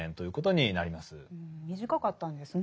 短かったんですね。